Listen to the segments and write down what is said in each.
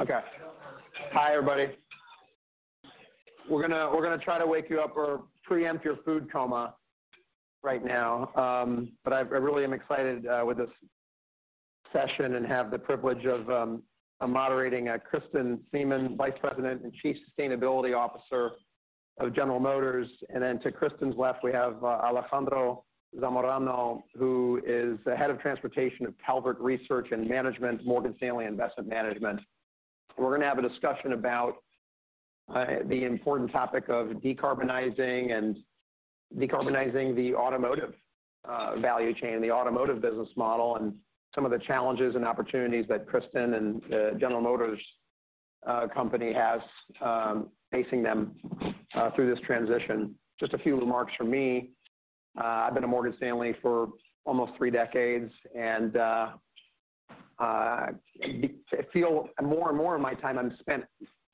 Okay. Hi, everybody. We're gonna try to wake you up or preempt your food coma right now. I really am excited with this session and have the privilege of moderating Kristen Siemen, Vice President and Chief Sustainability Officer of General Motors. Then to Kristen's left, we have Alejandro Zamorano, who is the Head of Transportation at Calvert Research and Management, Morgan Stanley Investment Management. We're gonna have a discussion about the important topic of decarbonizing the automotive value chain, the automotive business model, and some of the challenges and opportunities that Kristen and General Motors company has facing them through this transition. Just a few remarks from me. I've been at Morgan Stanley for almost three decades, and I feel more and more of my time I'm spent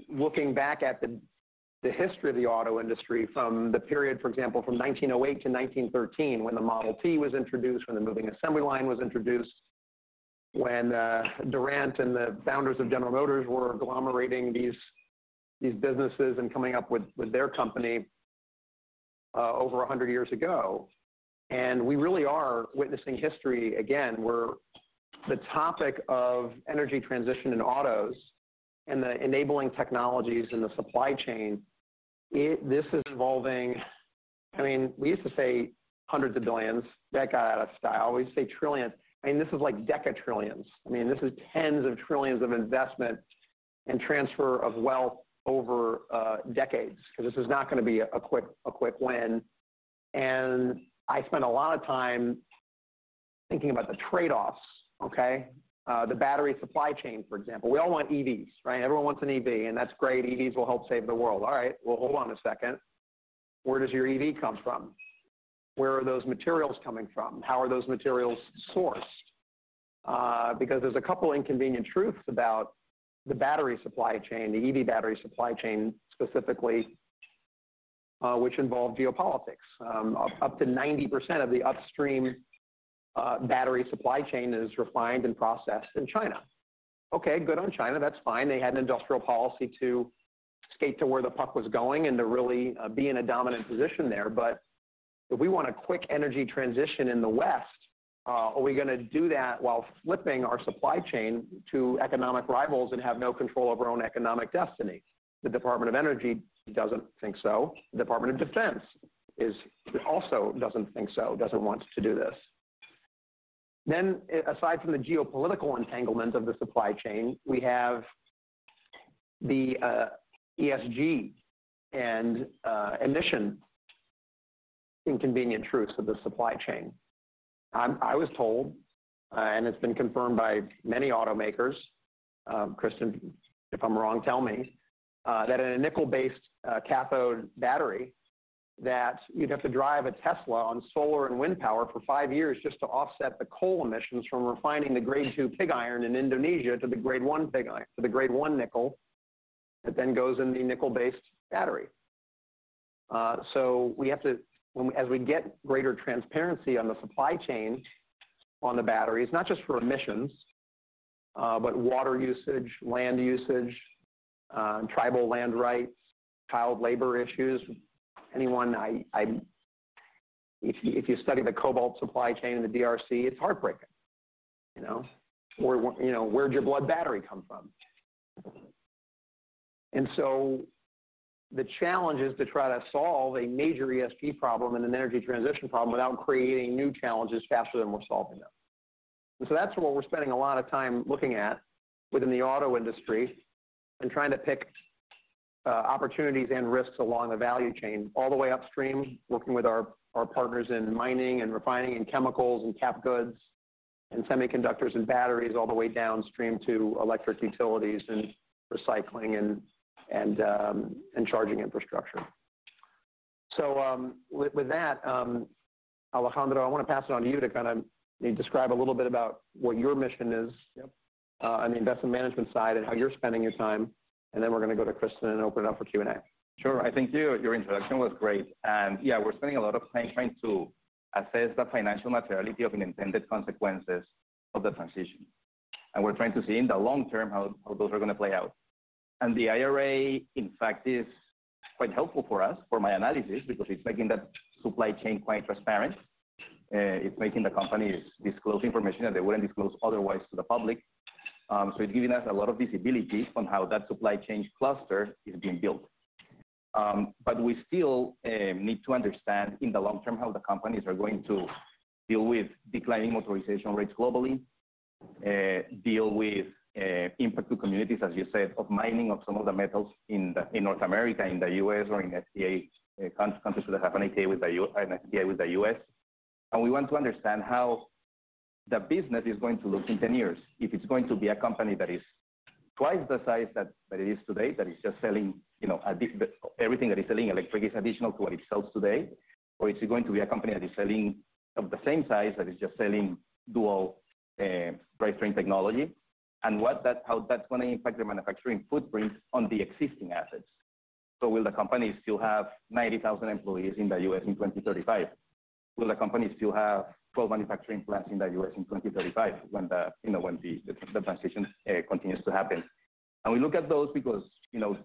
looking back at the history of the auto industry from the period, for example, from 1908 to 1913 when the Model T was introduced, when the moving assembly line was introduced, when Durant and the founders of General Motors were glomerating these businesses and coming up with their company over 100 years ago. We really are witnessing history again, where the topic of energy transition in autos and the enabling technologies in the supply chain, this is involving... I mean, we used to say hundreds of billions. That got out of style. We used to say trillions. I mean, this is like decatrillions. I mean, this is tens of trillions of investment and transfer of wealth over decades 'cause this is not gonna be a quick win. I spend a lot of time thinking about the trade-offs, okay? The battery supply chain, for example. We all want EVs, right? Everyone wants an EV, that's great. EVs will help save the world. All right. Well, hold on a second. Where does your EV come from? Where are those materials coming from? How are those materials sourced? Because there's a couple inconvenient truths about the battery supply chain, the EV battery supply chain specifically, which involve geopolitics. Up to 90% of the upstream battery supply chain is refined and processed in China. Okay. Good on China. That's fine. They had an industrial policy to skate to where the puck was going and to really be in a dominant position there. If we want a quick energy transition in the West, are we gonna do that while flipping our supply chain to economic rivals and have no control over our own economic destiny? The Department of Energy doesn't think so. The Department of Defense also doesn't think so, doesn't want to do this. Aside from the geopolitical entanglement of the supply chain, we have the ESG and emission inconvenient truths of the supply chain. I was told, and it's been confirmed by many automakers, Kristen, if I'm wrong, tell me, that in a nickel-based cathode battery, that you'd have to drive a Tesla on solar and wind power for five years just to offset the coal emissions from refining the grade two pig iron in Indonesia to the grade one nickel that then goes in the nickel-based battery. So we have to. As we get greater transparency on the supply chain on the batteries, not just for emissions, but water usage, land usage, tribal land rights, child labor issues. Anyone. If you study the cobalt supply chain in the DRC, it's heartbreaking. You know? Where, you know, where'd your blood battery come from? The challenge is to try to solve a major ESG problem and an energy transition problem without creating new challenges faster than we're solving them. That's what we're spending a lot of time looking at within the auto industry and trying to pick opportunities and risks along the value chain all the way upstream, working with our partners in mining and refining and chemicals and cap goods and semiconductors and batteries all the way downstream to electric utilities and recycling and charging infrastructure. With that, Alejandro, I want to pass it on to you to kind of describe a little bit about what your mission is. Yep. On the investment management side and how you're spending your time. Then we're going to go to Kristen and open it up for Q&A. Sure. I think you, your introduction was great. Yeah, we're spending a lot of time trying to assess the financial materiality of unintended consequences of the transition. We're trying to see in the long term how those are gonna play out. The IRA, in fact, is quite helpful for us, for my analysis, because it's making that supply chain quite transparent. It's making the companies disclose information that they wouldn't disclose otherwise to the public. So it's giving us a lot of visibility on how that supply chain cluster is being built. We still need to understand in the long term how the companies are going to deal with declining motorization rates globally, deal with impact to communities, as you said, of mining of some of the metals in North America, in the U.S., or in FTA countries that have an FTA with an FTA with the U.S. We want to understand how the business is going to look in 10 years, if it's going to be a company that is twice the size that it is today, that is just selling, you know, everything that is selling electric is additional to what it sells today. It's going to be a company that is selling of the same size, that is just selling dual-drivetrain technology, and how that's gonna impact the manufacturing footprint on the existing assets. Will the company still have 90,000 employees in the U.S. in 2035? Will the company still have 12 manufacturing plants in the U.S. in 2035 when the, you know, when the transition continues to happen? We look at those because, you know,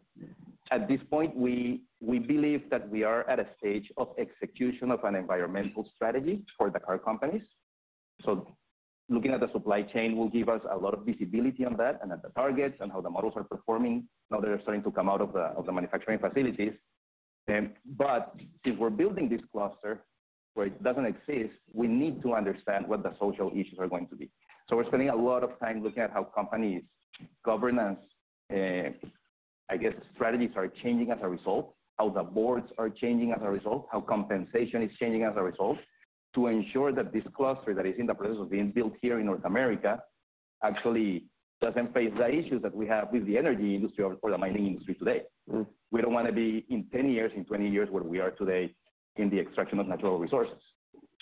at this point, we believe that we are at a stage of execution of an environmental strategy for the car companies. Looking at the supply chain will give us a lot of visibility on that, and at the targets, and how the models are performing now that they're starting to come out of the, of the manufacturing facilities. If we're building this cluster where it doesn't exist, we need to understand what the social issues are going to be. We're spending a lot of time looking at how companies' governance, I guess, strategies are changing as a result, how the boards are changing as a result, how compensation is changing as a result to ensure that this cluster that is in the process of being built here in North America actually doesn't face the issues that we have with the energy industry or the mining industry today. Mm. We don't wanna be in 10 years, in 20 years where we are today in the extraction of natural resources.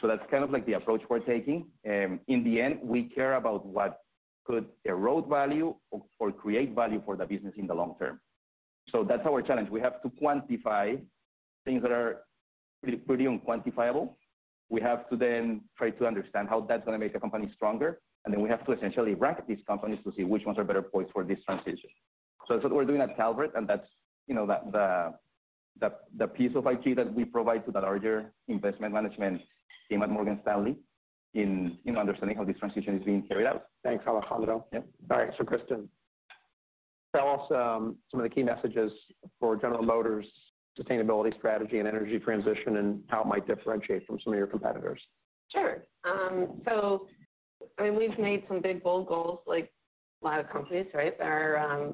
That's kind of like the approach we're taking. In the end, we care about what could erode value or create value for the business in the long term. That's our challenge. We have to quantify things that are pretty unquantifiable. We have to then try to understand how that's gonna make the company stronger, and then we have to essentially rank these companies to see which ones are better poised for this transition. That's what we're doing at Calvert, and that's, you know, the piece of I.T. that we provide to the larger investment management team at Morgan Stanley in understanding how this transition is being carried out. Thanks, Alejandro. Yeah. All right, Kristen, tell us, some of the key messages for General Motors' sustainability strategy and energy transition and how it might differentiate from some of your competitors. Sure. I mean, we've made some big, bold goals like a lot of companies, right? That are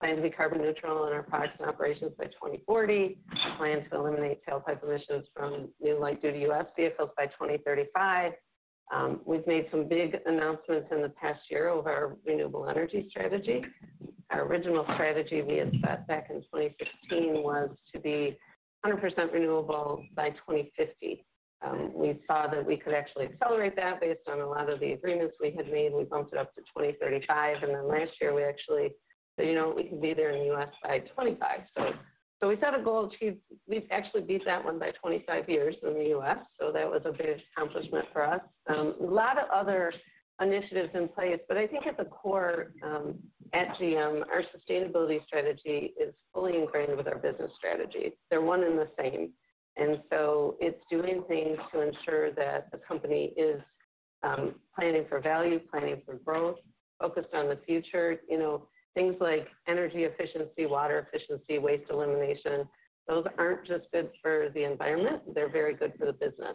planning to be carbon neutral in our products and operations by 2040. Plan to eliminate tailpipe emissions from new light-duty U.S. vehicles by 2035. We've made some big announcements in the past year over our renewable energy strategy. Our original strategy we had set back in 2015 was to be 100% renewable by 2050. We saw that we could actually accelerate that based on a lot of the agreements we had made, and we bumped it up to 2035. Last year we actually said, "You know what? We can be there in the U.S. by 2025." We set a goal to... We've actually beat that one by 25 years in the U.S. That was a big accomplishment for us. A lot of other initiatives in place, but I think at the core, at GM, our sustainability strategy is fully ingrained with our business strategy. They're one and the same. It's doing things to ensure that the company is planning for value, planning for growth, focused on the future. You know, things like energy efficiency, water efficiency, waste elimination, those aren't just good for the environment, they're very good for the business.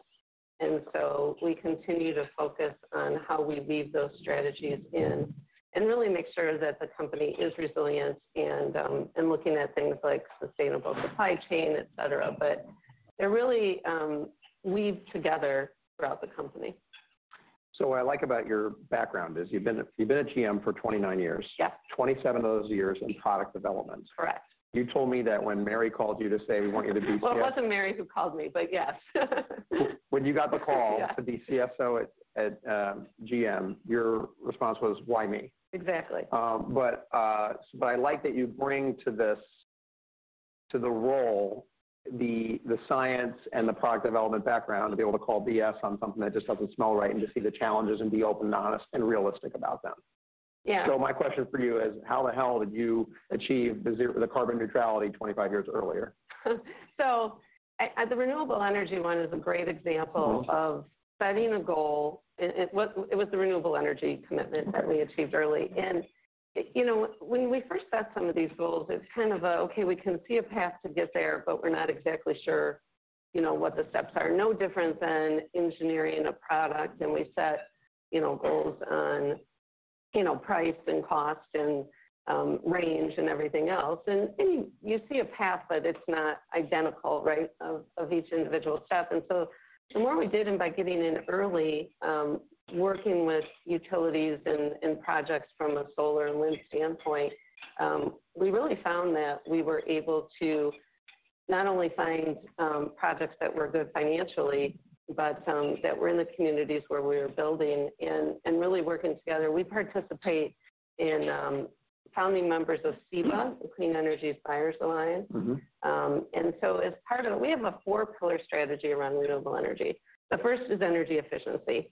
We continue to focus on how we weave those strategies in and really make sure that the company is resilient and looking at things like sustainable supply chain, et cetera. They're really weaved together throughout the company. What I like about your background is you've been at GM for 29 years. Yep. 27 of those years in product development. Correct. You told me that when Mary called you to say, "We want you to be CFO. Well, it wasn't Mary who called me, but yes. When you got the call- Yeah To be CFO at GM, your response was, "Why me? Exactly. I like that you bring to this, to the role, the science and the product development background to be able to call BS on something that just doesn't smell right, and just see the challenges and be open and honest and realistic about them. Yeah. My question for you is, how the hell did you achieve the carbon neutrality 25 years earlier? At the renewable energy one is a great example. Mm-hmm Of setting a goal. It was the renewable energy commitment that we achieved early. You know, when we first set some of these goals, it's kind of a, okay, we can see a path to get there, but we're not exactly sure, you know, what the steps are. No different than engineering a product, and we set, you know, goals on, you know, price and cost and range and everything else. You see a path, but it's not identical, right, of each individual step. The more we did, and by getting in early, working with utilities and projects from a solar and wind standpoint, we really found that we were able to not only find, projects that were good financially, but, that were in the communities where we were building and really working together. We participate in, founding members of CEBA, the Clean Energy Buyers Alliance. Mm-hmm. We have a four-pillar strategy around renewable energy. The first is energy efficiency,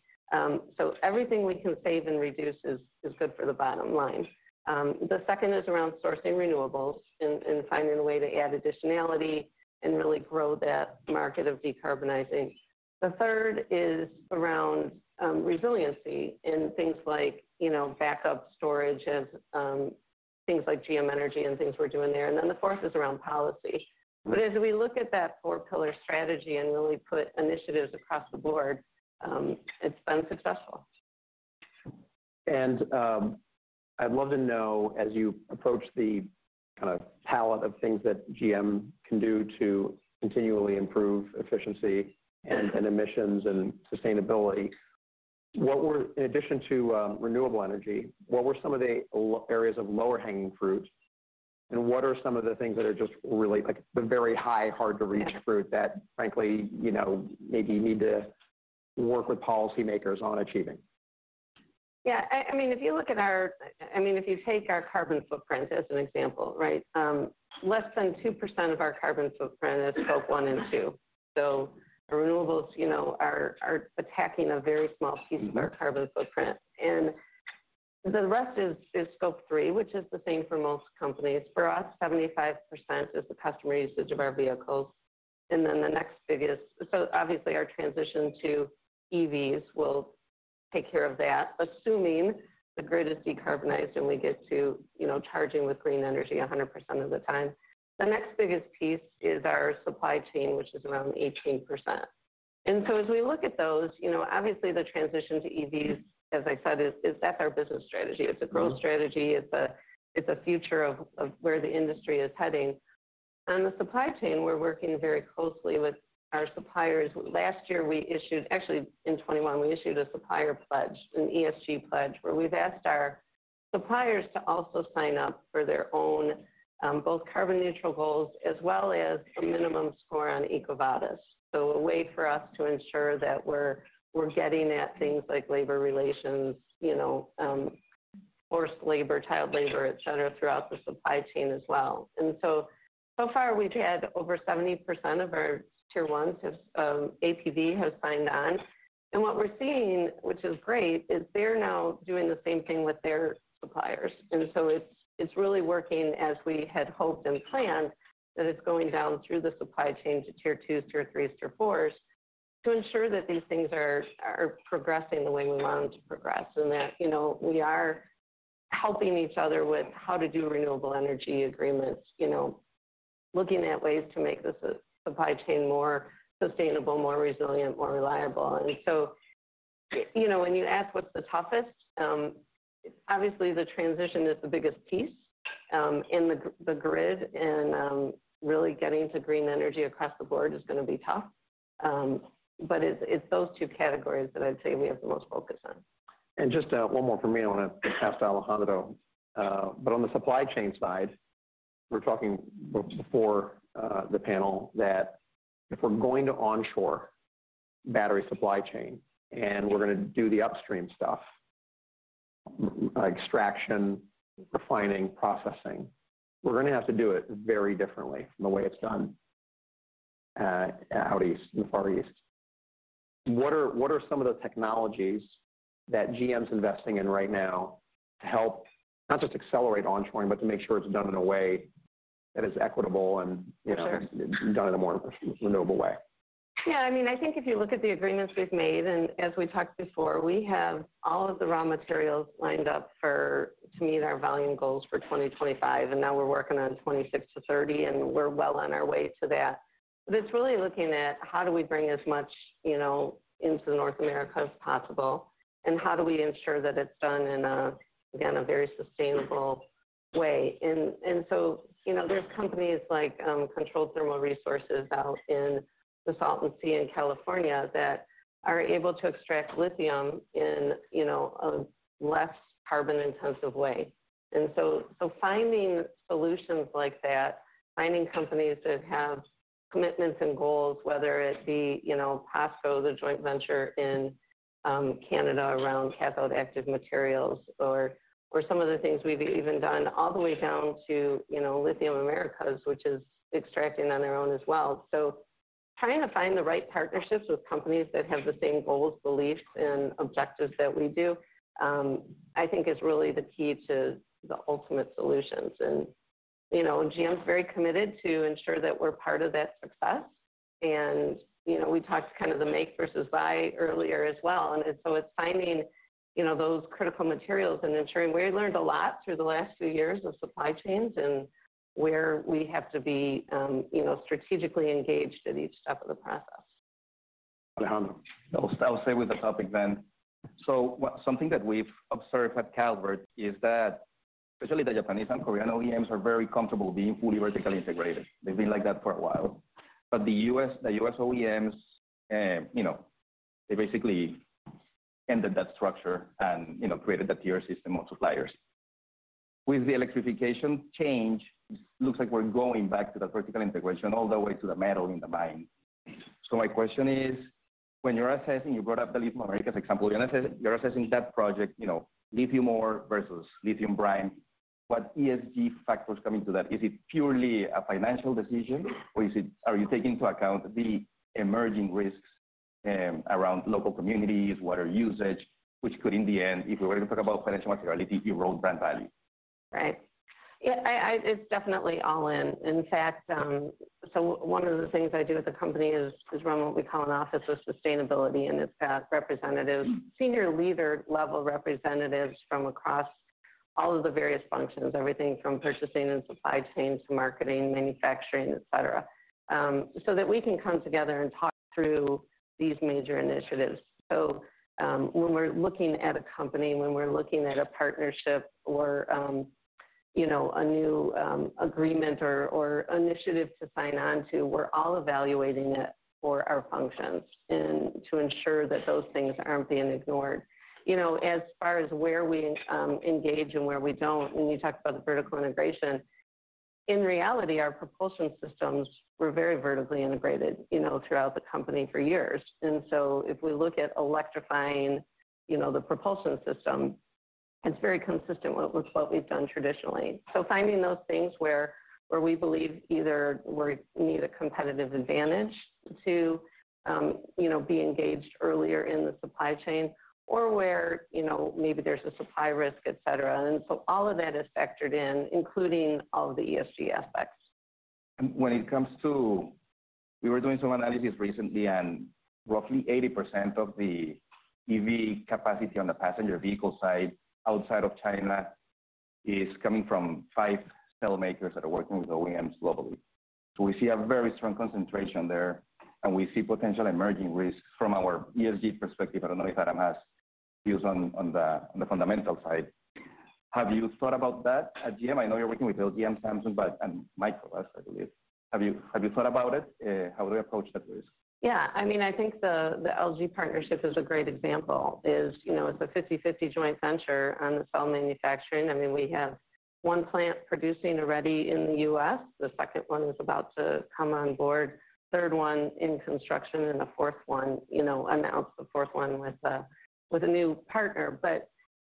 so everything we can save and reduce is good for the bottom line. The second is around sourcing renewables and finding a way to add additionality and really grow that market of decarbonizing. The third is around resiliency and things like, you know, backup storage of things like GM Energy and things we're doing there. The fourth is around policy. As we look at that four-pillar strategy and really put initiatives across the board, it's been successful. I'd love to know, as you approach the kind of palette of things that GM can do to continually improve efficiency and emissions and sustainability, what were in addition to renewable energy, what were some of the areas of lower hanging fruits, and what are some of the things that are just really, like, the very high, hard to reach fruit that frankly, you know, maybe you need to work with policymakers on achieving? Yeah, I mean, if you look at our... I mean, if you take our carbon footprint as an example, right. Less than 2% of our carbon footprint is Scope 1 and 2. Renewables, you know, are attacking a very small piece of our carbon footprint. The rest is Scope 3, which is the same for most companies. For us, 75% is the customer usage of our vehicles. The next biggest... obviously our transition to EVs will take care of that, assuming the grid is decarbonized, and we get to, you know, charging with green energy 100% of the time. The next biggest piece is our supply chain, which is around 18%. As we look at those, you know, obviously the transition to EVs, as I said, is that's our business strategy. It's a growth strategy. It's a, it's a future of where the industry is heading. On the supply chain, we're working very closely with our suppliers. Last year, we issued. Actually, in 2021, we issued a supplier pledge, an ESG pledge, where we've asked our suppliers to also sign up for their own both carbon neutral goals as well as a minimum score on EcoVadis. A way for us to ensure that we're getting at things like labor relations, you know, forced labor, child labor, et cetera, throughout the supply chain as well. So far we've had over 70% of our tier ones has APV has signed on. What we're seeing, which is great, is they're now doing the same thing with their suppliers. It's, it's really working as we had hoped and planned, that it's going down through the supply chain to tier twos, tier threes, tier fours to ensure that these things are progressing the way we want them to progress. That, you know, we are helping each other with how to do renewable energy agreements, you know, looking at ways to make the supply chain more sustainable, more resilient, more reliable. You know, when you ask what's the toughest, obviously the transition is the biggest piece, in the grid. Really getting to green energy across the board is gonna be tough. But it's those two categories that I'd say we have the most focus on. Just one more from me, and I'll pass to Alejandro. On the supply chain side, we were talking before the panel that if we're going to onshore battery supply chain, and we're gonna do the upstream stuff, extraction, refining, processing, we're gonna have to do it very differently from the way it's done out east, in the Far East. What are some of the technologies that GM's investing in right now to help not just accelerate onshoring, but to make sure it's done in a way that is equitable and, you know, done in a more renewable way? Yeah. I mean, I think if you look at the agreements we've made, and as we talked before, we have all of the raw materials lined up for... to meet our volume goals for 2025, and now we're working on 2026-2030, and we're well on our way to that. It's really looking at how do we bring as much, you know, into North America as possible, and how do we ensure that it's done in a, again, a very sustainable way. You know, there's companies like Controlled Thermal Resources out in the Salton Sea in California that are able to extract lithium in, you know, a less carbon intensive way. Finding solutions like that, finding companies that have commitments and goals, whether it be, you know, POSCO, the joint venture in Canada around cathode active materials or some of the things we've even done all the way down to, you know, Lithium Americas, which is extracting on their own as well. Trying to find the right partnerships with companies that have the same goals, beliefs, and objectives that we do, I think is really the key to the ultimate solutions. You know, GM's very committed to ensure that we're part of that success. You know, we talked kind of the make versus buy earlier as well. It's finding, you know, those critical materials and ensuring... We learned a lot through the last few years of supply chains and where we have to be, you know, strategically engaged at each step of the process. Alejandro. I'll stay with the topic then. Something that we've observed at Calvert is that especially the Japanese and Korean OEMs are very comfortable being fully vertically integrated. They've been like that for a while. The US OEMs, you know, they basically ended that structure and, you know, created the tier system of suppliers. With the electrification change, looks like we're going back to the vertical integration all the way to the metal in the mine. My question is, when you're assessing, you brought up the Lithium Americas example. When assessing that project, you know, lithium ore versus lithium brine, what ESG factors come into that? Is it purely a financial decision, or is it? Are you taking into account the emerging risks, around local communities, water usage, which could, in the end, if we were to talk about financial materiality, erode brand value? Right. Yeah, I it's definitely all in. In fact, one of the things I do at the company is run what we call an office of sustainability, and it's got representatives, senior leader level representatives from across all of the various functions, everything from purchasing and supply chain to marketing, manufacturing, et cetera, so that we can come together and talk through these major initiatives. When we're looking at a company, when we're looking at a partnership or, you know, a new agreement or initiative to sign on to, we're all evaluating it for our functions and to ensure that those things aren't being ignored. You know, as far as where we engage and where we don't, when you talk about the vertical integration. In reality, our propulsion systems were very vertically integrated, you know, throughout the company for years. If we look at electrifying, you know, the propulsion system, it's very consistent with what we've done traditionally. Finding those things where we believe either need a competitive advantage to, you know, be engaged earlier in the supply chain or where, you know, maybe there's a supply risk, et cetera. All of that is factored in, including all the ESG aspects. We were doing some analysis recently, and roughly 80% of the EV capacity on the passenger vehicle side outside of China is coming from five cell makers that are working with OEMs globally. We see a very strong concentration there, and we see potential emerging risks from our ESG perspective. I don't know if Adam has views on the fundamental side. Have you thought about that at GM? I know you're working with LG and Samsung, and Micro, as I believe. Have you thought about it? How would we approach that risk? I mean, I think the LG partnership is a great example. Is, you know, it's a 50/50 joint venture on the cell manufacturing. I mean, we have one plant producing already in the U.S. The second one is about to come on board, third one in construction, and the fourth one, you know, announced the fourth one with a new partner.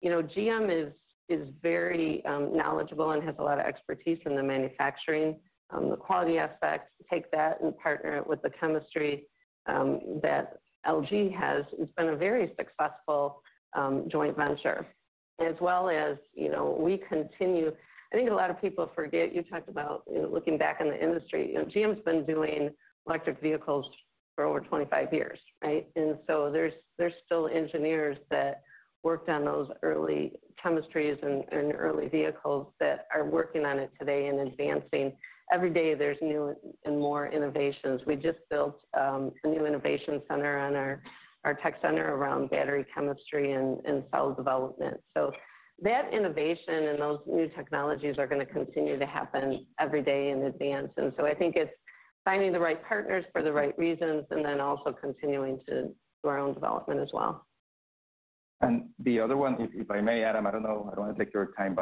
You know, GM is very knowledgeable and has a lot of expertise in the manufacturing, the quality aspects. Take that and partner it with the chemistry that LG has. It's been a very successful joint venture. As well as, you know, we continue. I think a lot of people forget, you talked about, you know, looking back in the industry. You know, GM's been doing electric vehicles for over 25 years, right? There's still engineers that worked on those early chemistries and early vehicles that are working on it today and advancing. Every day, there's new and more innovations. We just built a new innovation center on our tech center around battery chemistry and cell development. That innovation and those new technologies are gonna continue to happen every day in advance. I think it's finding the right partners for the right reasons and then also continuing to do our own development as well. The other one, if I may, Adam, I don't know, I don't wanna take your time.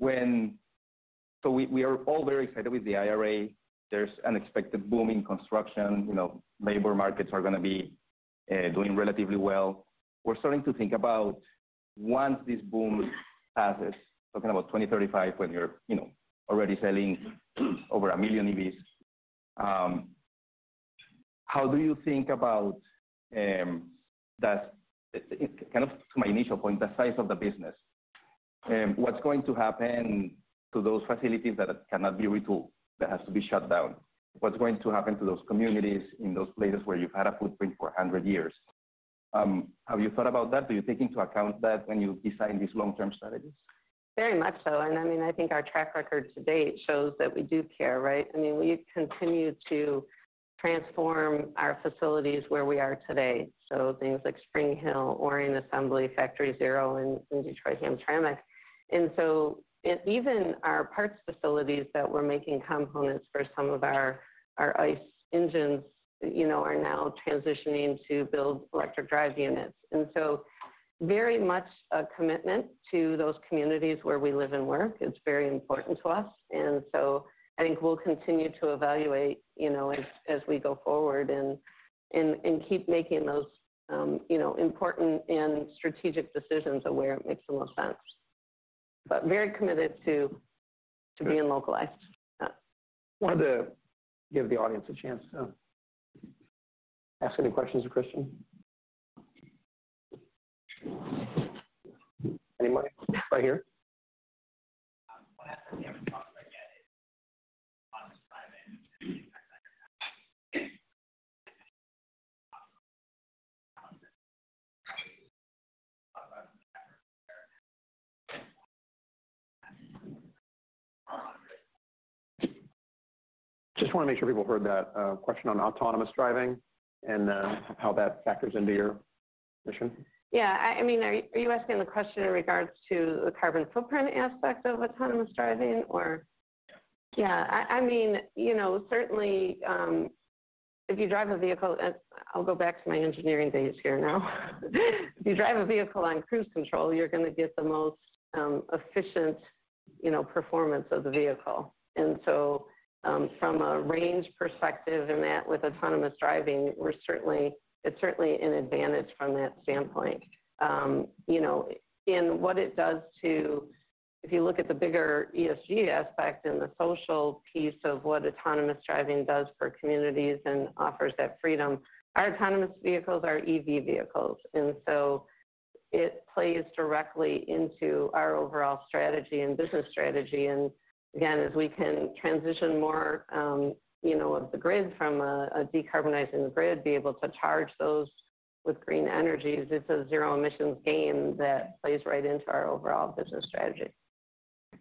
We are all very excited with the IRA. There's an expected boom in construction. You know, labor markets are gonna be doing relatively well. We're starting to think about once this boom passes, talking about 2035, when you're, you know, already selling over 1 million EVs, how do you think about kind of to my initial point, the size of the business? What's going to happen to those facilities that cannot be retooled, that has to be shut down? What's going to happen to those communities in those places where you've had a footprint for 100 years? Have you thought about that? Do you take into account that when you design these long-term strategies? Very much so. I mean, I think our track record to date shows that we do care, right? I mean, we continue to transform our facilities where we are today. Things like Spring Hill, Orion Assembly, Factory Zero in Detroit-Hamtramck. Even our parts facilities that we're making components for some of our ICE engines, you know, are now transitioning to build electric drive units. Very much a commitment to those communities where we live and work. It's very important to us. I think we'll continue to evaluate, you know, as we go forward and keep making those, you know, important and strategic decisions of where it makes the most sense. Very committed to being localized. Yeah. Wanted to give the audience a chance to ask any questions of Kristen. Anybody? Right here. Just wanna make sure people heard that, question on autonomous driving and, how that factors into your mission. Yeah. I mean, are you asking the question in regards to the carbon footprint aspect of autonomous driving or- Yeah. Yeah. I mean, you know, certainly, if you drive a vehicle. I'll go back to my engineering days here now. If you drive a vehicle on cruise control, you're gonna get the most efficient, you know, performance of the vehicle. From a range perspective and that with autonomous driving, it's certainly an advantage from that standpoint. You know, if you look at the bigger ESG aspect and the social piece of what autonomous driving does for communities and offers that freedom, our autonomous vehicles are EV vehicles, it plays directly into our overall strategy and business strategy. Again, as we can transition more, you know, of the grid from a decarbonizing the grid, be able to charge those with green energies, it's a zero emissions game that plays right into our overall business strategy.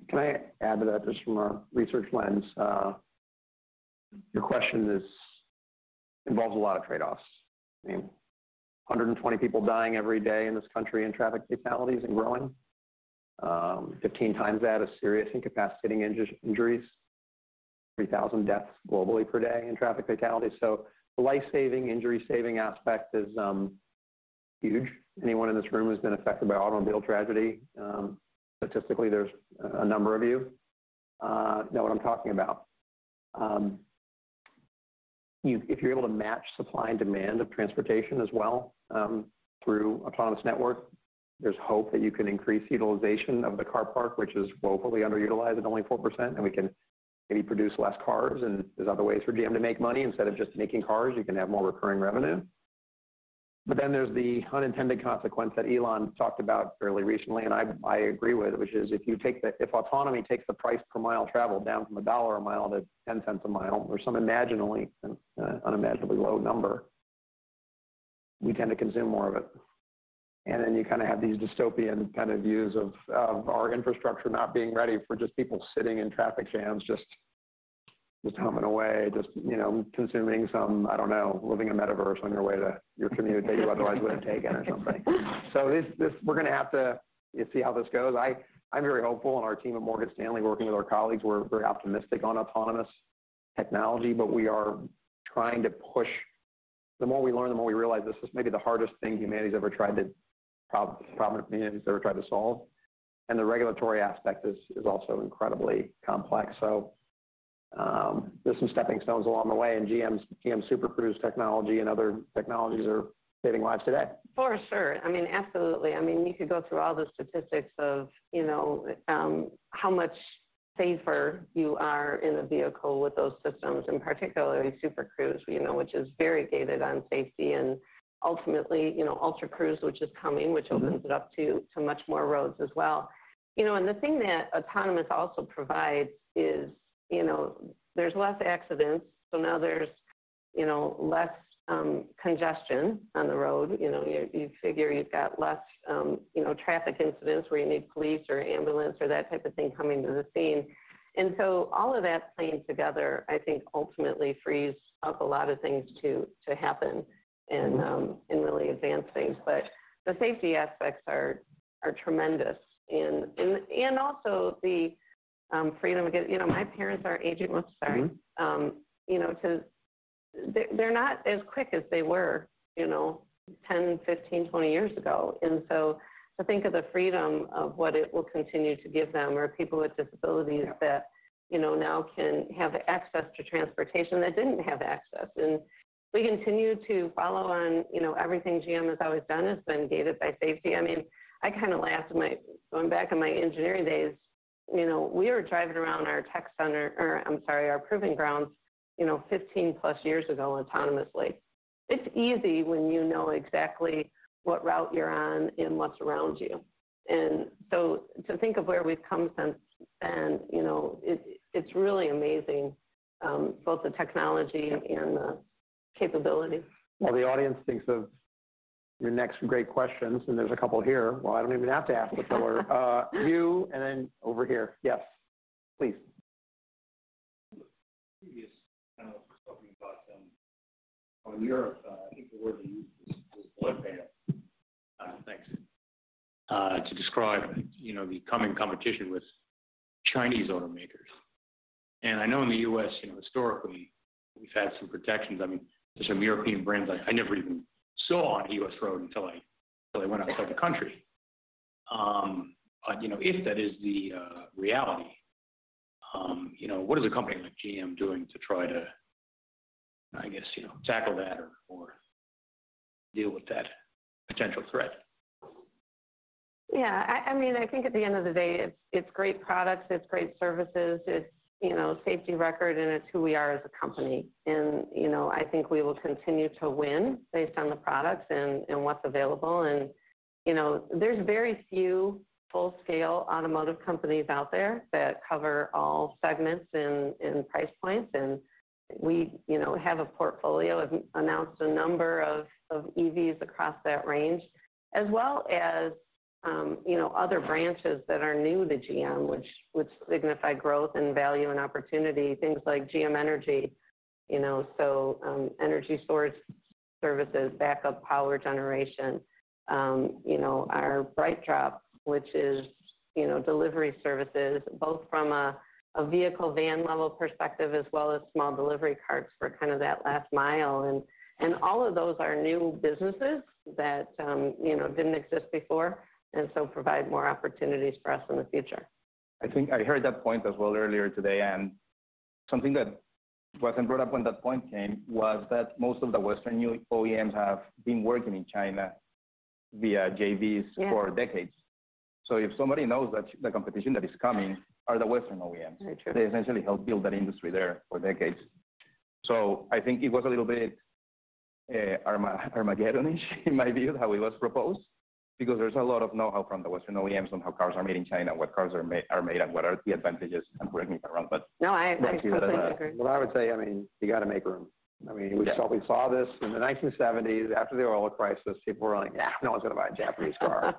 Can I add to that, just from a research lens? Your question involves a lot of trade-offs. I mean, 120 people dying every day in this country in traffic fatalities and growing. 15 times that of serious incapacitating injuries. 3,000 deaths globally per day in traffic fatalities, so the life-saving, injury-saving aspect is huge. Anyone in this room who's been affected by automobile tragedy, statistically there's a number of you, know what I'm talking about. If you're able to match supply and demand of transportation as well, through autonomous network, there's hope that you can increase utilization of the car park, which is globally underutilized at only 4%, and we can maybe produce less cars, and there's other ways for GM to make money. Instead of just making cars, you can have more recurring revenue. Then there's the unintended consequence that Elon talked about fairly recently, and I agree with, which is if autonomy takes the price per mile traveled down from $1 a mile to $0.10 a mile or some imaginably, unimaginably low number, we tend to consume more of it. Then you kind of have these dystopian kind of views of our infrastructure not being ready for just people sitting in traffic jams, just humming away, just, you know, consuming some, I don't know, living in a metaverse on your way to your commute that you otherwise would have taken or something. This we're gonna have to see how this goes. I'm very hopeful, and our team at Morgan Stanley working with our colleagues, we're very optimistic on autonomous technology, but we are trying to push. The more we learn, the more we realize this is maybe the hardest thing humanity's ever tried to problem humanity's ever tried to solve. The regulatory aspect is also incredibly complex. There's some stepping stones along the way. GM's Super Cruise technology and other technologies are saving lives today. For sure. I mean, absolutely. I mean, you could go through all the statistics of, you know, how much safer you are in a vehicle with those systems, particularly Super Cruise, you know, which is very gated on safety. Ultimately, you know, Ultra Cruise, which is coming, which opens it up to much more roads as well. You know, the thing that autonomous also provides is, you know, there's less accidents, so now there's, you know, less congestion on the road. You know, you figure you've got less, you know, traffic incidents where you need police or ambulance or that type of thing coming to the scene. All of that playing together, I think, ultimately frees up a lot of things to happen and really advance things. The safety aspects are tremendous and also the freedom again. You know, my parents are aging. Mm-hmm You know, They're not as quick as they were, you know, 10, 15, 20 years ago. To think of the freedom of what it will continue to give them or people with disabilities. Yeah That, you know, now can have access to transportation that didn't have access. We continue to follow on, you know, everything GM has always done has been gated by safety. I mean, I kind of laugh at going back in my engineering days. You know, we were driving around our tech center, or I'm sorry, our proving grounds, you know, 15+ years ago autonomously. It's easy when you know exactly what route you're on and what's around you. To think of where we've come since then, you know, it's really amazing, both the technology- Yeah And the capability. While the audience thinks of your next great questions, and there's a couple here. Well, I don't even have to ask. You and then over here. Yes, please. Previous panel was talking about how in Europe, I think the word they used was bloodbath, thanks, to describe, you know, the coming competition with Chinese automakers. I know in the U.S., you know, historically, we've had some protections. I mean, there's some European brands I never even saw on a U.S. road until I went outside the country. You know, if that is the reality, you know, what is a company like GM doing to try to, I guess, you know, tackle that or deal with that potential threat? Yeah. I mean, I think at the end of the day, it's great products, it's great services, it's, you know, safety record, and it's who we are as a company. You know, I think we will continue to win based on the products and what's available. You know, there's very few full-scale automotive companies out there that cover all segments and price points. We, you know, have a portfolio. We've announced a number of EVs across that range, as well as, you know, other branches that are new to GM, which signify growth and value and opportunity, things like GM Energy. You know, energy storage services, backup power generation. You know, our BrightDrop, which is, you know, delivery services, both from a vehicle van level perspective as well as small delivery carts for kind of that last mile. All of those are new businesses that, you know, didn't exist before and so provide more opportunities for us in the future. I think I heard that point as well earlier today, and something that wasn't brought up when that point came was that most of the Western new OEMs have been working in China via JVs. Yeah For decades. If somebody knows that the competition that is coming are the Western OEMs. Very true. They essentially helped build that industry there for decades. I think it was a little bit Armageddon-ish in my view, how it was proposed. There's a lot of know-how from the Western OEMs on how cars are made in China, what cars are made, and what are the advantages and bringing around. No, I completely agree. What I would say, I mean, you got to make room. I mean, we saw this in the 1970s after the oil crisis. People were like, "No one's going to buy a Japanese car."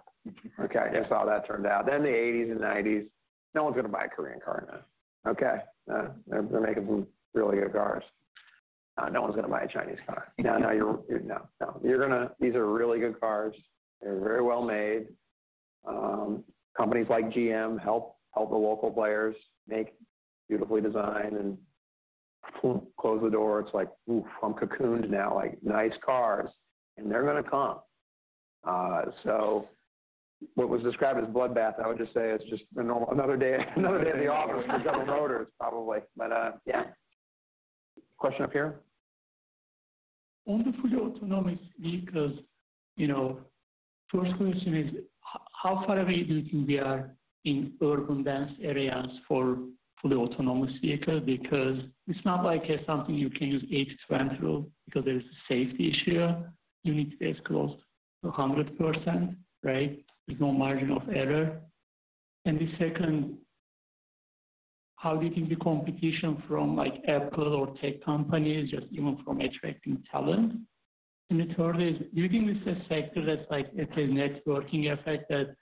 Okay, you saw how that turned out. The 1980s and 1990s, "No one's going to buy a Korean car." Okay, they're making some really good cars. No one's gonna buy a Chinese car. No, no, you're gonna. These are really good cars. They're very well made. Companies like GM help the local players make beautifully designed and close the door. It's like, "Ooh, I'm cocooned now." Like, nice cars, and they're gonna come. What was described as a bloodbath, I would just say it's just another day, another day in the office for General Motors, probably. Yeah. Question up here. On the fully autonomous vehicles, you know, first question is how far away do you think we are in urban dense areas for fully autonomous vehicle? Because it's not like it's something you can use 80-20 rule because there's a safety issue. You need to get as close to 100%, right? There's no margin of error. The second, how do you think the competition from, like, Apple or tech companies just even from attracting talent? The third is, do you think this is a sector that's like a networking effect that,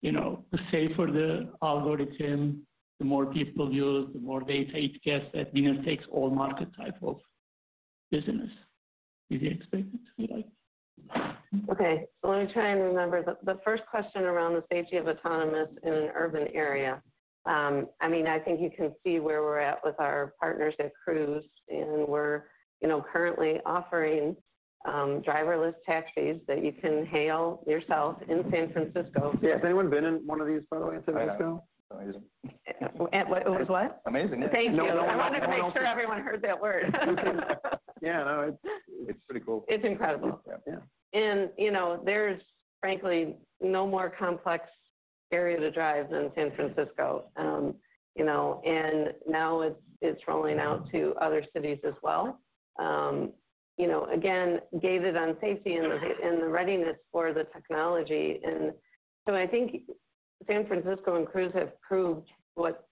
you know, the safer the algorithm, the more people use, the more data it gets, that winner takes all market type of business? Is it expected to be like that? Let me try and remember. The first question around the safety of autonomous in an urban area. I mean, I think you can see where we're at with our partners at Cruise, and we're, you know, currently offering, driverless taxis that you can hail yourself in San Francisco. Yeah. Has anyone been in one of these, by the way, in San Francisco? I have. Amazing. It was what? Amazing. Thank you. No, I want to make sure. I wanted to make sure everyone heard that word. Yeah, no, it's pretty cool. It's incredible. Yeah. You know, there's frankly no more complex area to drive than San Francisco. You know, now it's rolling out to other cities as well. You know, again, gated on safety and the readiness for the technology. I think San Francisco and Cruise have proved what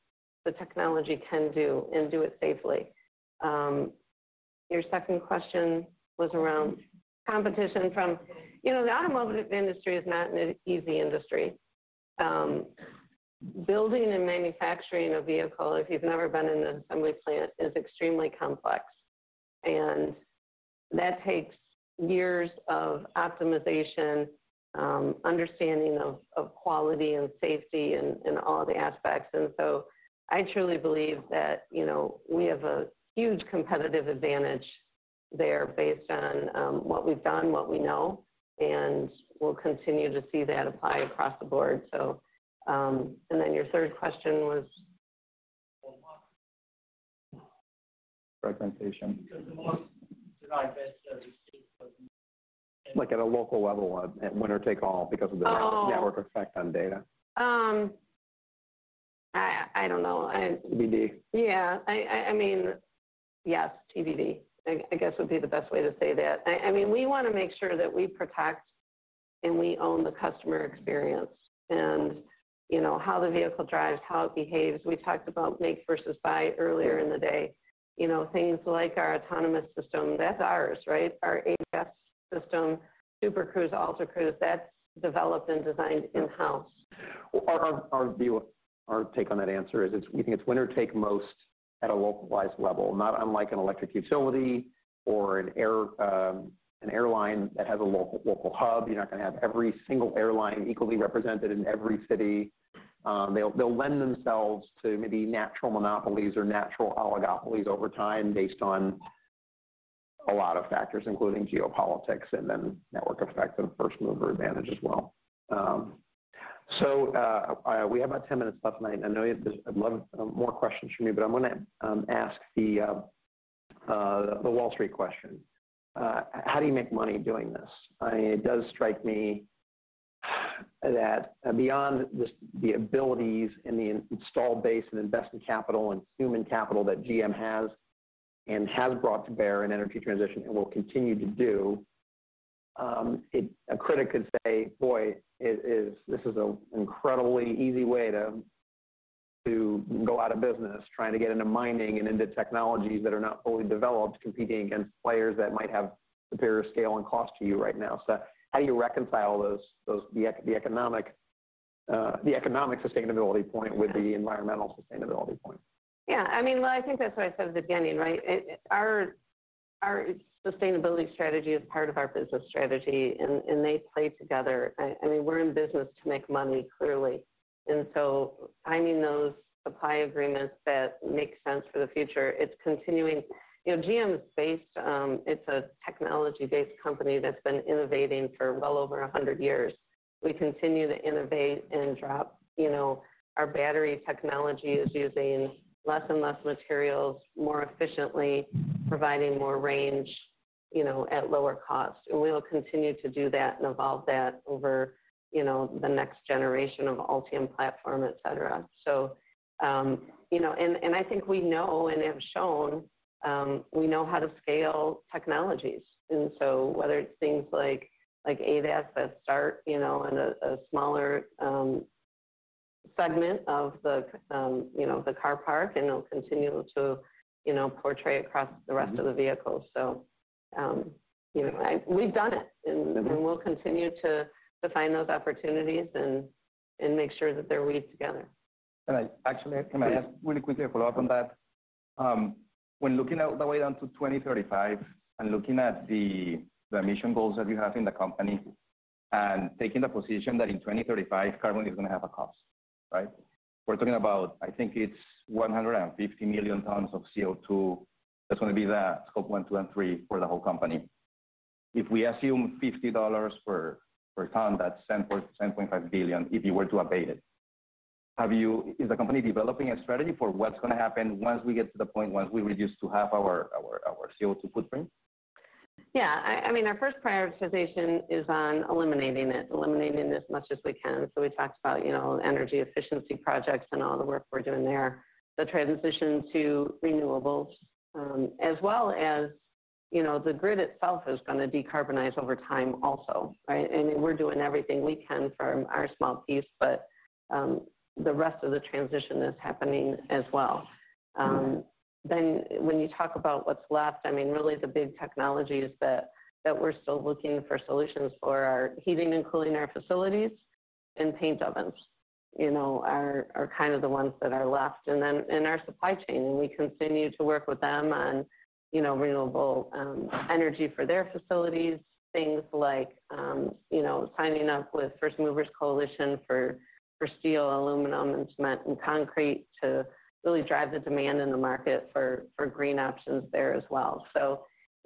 the technology can do and do it safely. Your second question was around competition from... You know, the automotive industry is not an easy industry. Building and manufacturing a vehicle, if you've never been in an assembly plant, is extremely complex. That takes years of optimization, understanding of quality and safety and all the aspects. I truly believe that, you know, we have a huge competitive advantage there based on what we've done, what we know, and we'll continue to see that apply across the board, so. Then your third question was? Fragmentation. Like that service Like at a local level, one winner take all. Oh. network effect on data. I don't know. TBD. Yeah. I mean, yes, TBD, I guess would be the best way to say that. I mean, we wanna make sure that we protect and we own the customer experience and, you know, how the vehicle drives, how it behaves. We talked about make versus buy earlier in the day. You know, things like our autonomous system, that's ours, right? Our ADAS system, Super Cruise, Ultra Cruise, that's developed and designed in-house. Our view, our take on that answer is it's. We think it's winner take most at a localized level, not unlike an electric utility or an airline that has a local hub. You're not gonna have every single airline equally represented in every city. They'll lend themselves to maybe natural monopolies or natural oligopolies over time based on a lot of factors, including geopolitics and then network effect and first mover advantage as well. We have about 10 minutes left, and I know there's a lot of more questions from you, but I'm gonna ask the Wall Street question. How do you make money doing this? I mean, it does strike me that beyond the abilities and the install base and invested capital and human capital that GM has and has brought to bear in energy transition and will continue to do, A critic could say, "Boy, this is an incredibly easy way to go out of business, trying to get into mining and into technologies that are not fully developed, competing against players that might have superior scale and cost to you right now." How do you reconcile those, the economic, the economic sustainability point with the environmental sustainability point? Yeah. I mean, well, I think that's what I said at the beginning, right? Our, our sustainability strategy is part of our business strategy, and they play together. I mean, we're in business to make money, clearly. Finding those supply agreements that make sense for the future, it's continuing. You know, GM is based, it's a technology-based company that's been innovating for well over 100 years. We continue to innovate and drop. You know, our battery technology is using less and less materials more efficiently, providing more range, you know, at lower cost. We will continue to do that and evolve that over, you know, the next generation of Ultium platform, et cetera. You know, and I think we know and have shown, we know how to scale technologies. Whether it's things like ADAS that start, you know, in a smaller segment of the, you know, the car park and it'll continue to, you know, portray across the rest of the vehicles. You know, we've done it. We'll continue to find those opportunities and make sure that they're weaved together. I actually, can I ask really quickly a follow-up on that? When looking out the way down to 2035 and looking at the emission goals that you have in the company and taking the position that in 2035, carbon is gonna have a cost, right? We're talking about I think it's 150 million tons of CO2 that's gonna be the Scope 1, 2, and 3 for the whole company. If we assume $50 per ton, that's $10.5 billion if you were to abate it. Is the company developing a strategy for what's gonna happen once we get to the point, once we reduce to half our CO2 footprint? Yeah. I mean, our first prioritization is on eliminating it. Eliminating as much as we can. We talked about, you know, energy efficiency projects and all the work we're doing there. The transition to renewables, as well as, you know, the grid itself is gonna decarbonize over time also, right? I mean, we're doing everything we can from our small piece, but the rest of the transition is happening as well. When you talk about what's left, I mean, really the big technologies that we're still looking for solutions for are heating and cooling our facilities and paint ovens, you know, are kind of the ones that are left. In our supply chain, we continue to work with them on, you know, renewable energy for their facilities. Things like, you know, signing up with First Movers Coalition for steel, aluminum, and cement and concrete to really drive the demand in the market for green options there as well.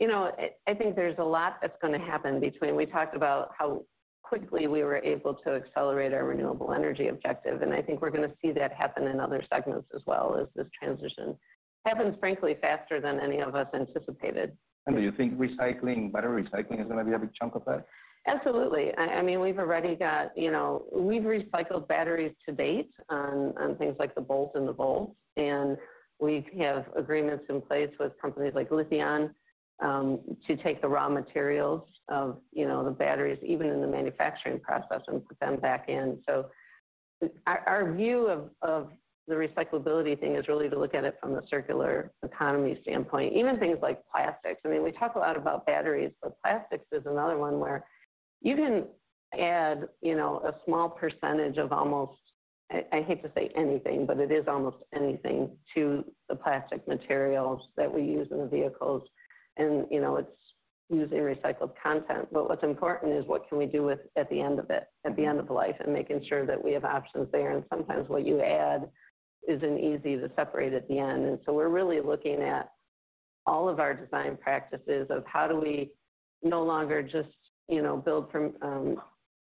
You know, I think there's a lot that's gonna happen. We talked about how quickly we were able to accelerate our renewable energy objective, and I think we're gonna see that happen in other segments as well as this transition happens, frankly, faster than any of us anticipated. Do you think recycling, battery recycling is gonna be a big chunk of that? Absolutely. I mean, we've already got, you know. We've recycled batteries to date on things like the Bolt and the Volt, and we have agreements in place with companies like Lithion to take the raw materials of, you know, the batteries, even in the manufacturing process, and put them back in. Our view of the recyclability thing is really to look at it from the circular economy standpoint. Even things like plastics. I mean, we talk a lot about batteries, but plastics is another one where you can add, you know, a small percentage of almost, I hate to say anything, but it is almost anything to the plastic materials that we use in the vehicles and, you know, it's using recycled content. What's important is what can we do with at the end of it, at the end of life, and making sure that we have options there. Sometimes what you add isn't easy to separate at the end. We're really looking at all of our design practices of how do we no longer just, you know, build from,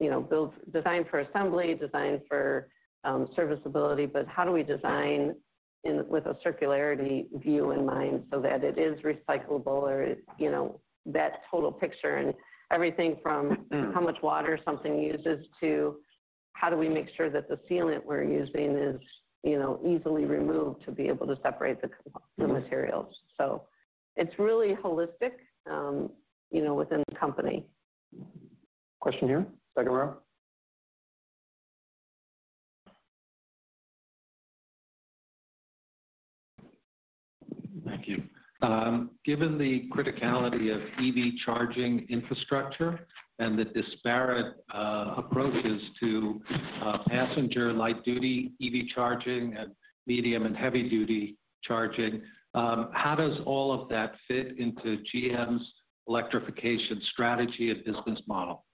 you know, build design for assembly, design for, serviceability, but how do we design in with a circularity view in mind so that it is recyclable or, you know, that total picture and everything from how much water something uses to how do we make sure that the sealant we're using is, you know, easily removed to be able to separate the materials. It's really holistic, you know, within the company. Question here. Second row. Thank you. Given the criticality of EV charging infrastructure and the disparate approaches to passenger light-duty EV charging and medium and heavy-duty charging, how does all of that fit into GM's electrification strategy and business model?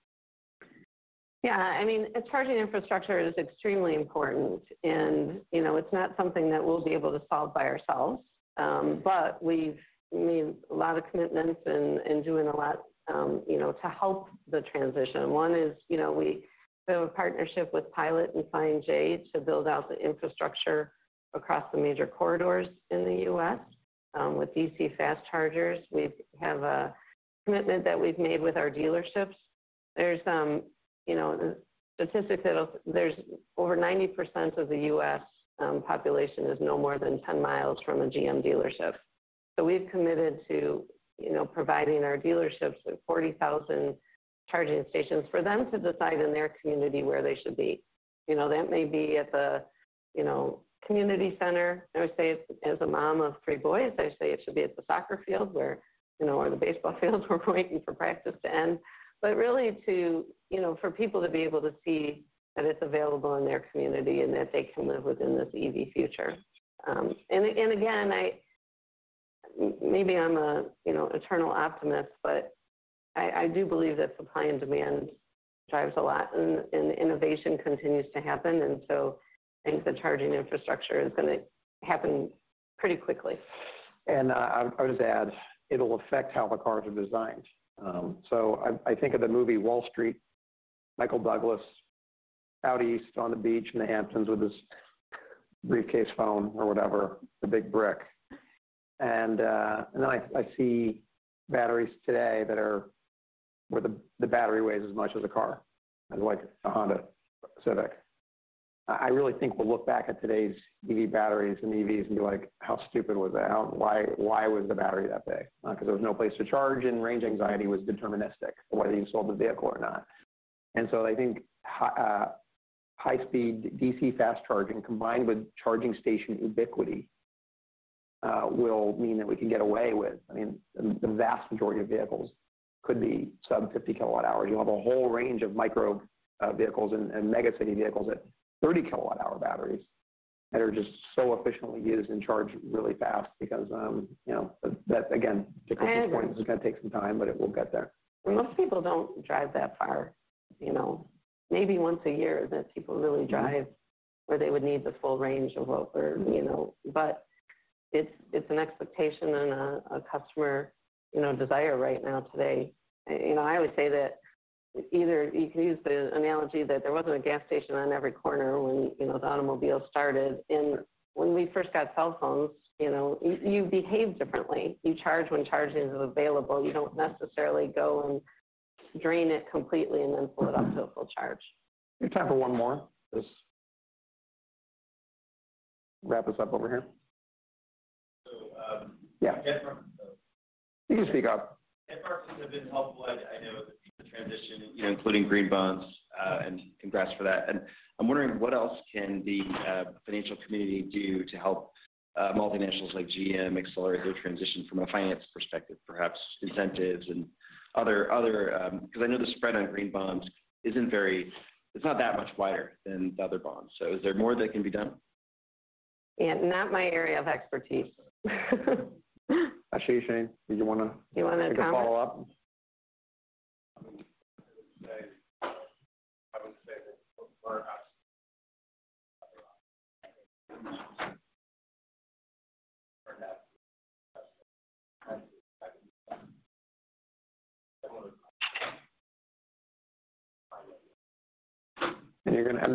Yeah. I mean, its charging infrastructure is extremely important and, you know, it's not something that we'll be able to solve by ourselves. We've made a lot of commitments and doing a lot, you know, to help the transition. One is, you know, we built a partnership with Pilot Flying J to build out the infrastructure across the major corridors in the U.S. with DC fast chargers. We have a commitment that we've made with our dealerships. There's, you know, over 90% of the U.S. population is no more than 10 miles from a GM dealership. We've committed to, you know, providing our dealerships with 40,000 charging stations for them to decide in their community where they should be. You know, that may be at the, you know, community center. I would say as a mom of three boys, I say it should be at the soccer field where, you know, or the baseball fields we're waiting for practice to end. Really to, you know, for people to be able to see that it's available in their community and that they can live within this EV future. Again, maybe I'm a, you know, eternal optimist, but I do believe that supply and demand drives a lot and innovation continues to happen. I think the charging infrastructure is gonna happen pretty quickly. I would just add, it'll affect how the cars are designed. I think of the movie Wall Street, Michael Douglas out east on the beach in the Hamptons with his briefcase phone or whatever, the big brick. I see batteries today where the battery weighs as much as a car, as like a Honda Civic. I really think we'll look back at today's EV batteries and EVs and be like, "How stupid was that? Why, why was the battery that big?" 'cause there was no place to charge and range anxiety was deterministic whether you sold the vehicle or not. I think high speed DC fast charging combined with charging station ubiquity, will mean that we can get away with. I mean, the vast majority of vehicles could be sub 50 kilowatt hours. You'll have a whole range of micro vehicles and mega city vehicles at 30 kilowatt hour batteries that are just so efficiently used and charged really fast because, you know. I understand. To Kris' point, this is gonna take some time, but it will get there. Most people don't drive that far, you know. Maybe once a year that people really drive where they would need the full range of what we're, you know. It's an expectation and a customer, you know, desire right now today. You know, I always say that either you can use the analogy that there wasn't a gas station on every corner when, you know, the automobile started. When we first got cell phones, you know, you behave differently. You charge when charging is available. You don't necessarily go and drain it completely and then fill it up to a full charge. We have time for one more. Just wrap us up over here. So, um- Yeah. Can I come off? You can speak up. Can I come off mute? I've been helpful, I know the transition, you know, including green bonds, and congrats for that. I'm wondering, what else can the financial community do to help multinationals like GM accelerate their transition from a finance perspective, perhaps incentives and other... Cause I know the spread on green bonds isn't that much wider than the other bonds. Is there more that can be done? Yeah, not my area of expertise. I see you, Shane. Did you wanna- You wanna comment? Take a follow-up? I would say that for us.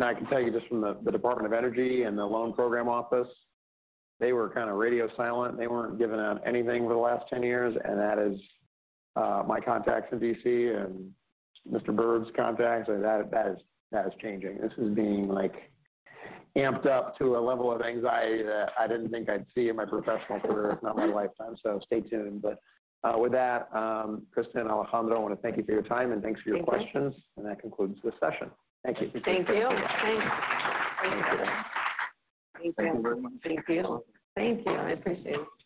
I can tell you just from the Department of Energy and the Loan Programs Office, they were kinda radio silent. They weren't giving out anything for the last 10 years, that is my contacts in D.C. and Mr. Berg's contacts, that is changing. This is being, like, amped up to a level of anxiety that I didn't think I'd see in my professional career, if not my lifetime. Stay tuned. With that, Kristen, Alejandro, I wanna thank you for your time, and thanks for your questions. Thank you. That concludes this session. Thank you. Thank you. Thanks. Thank you very much. Thank you. Thank you. I appreciate it.